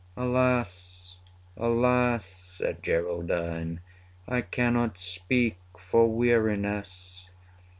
140 Alas, alas! said Geraldine, I cannot speak for weariness.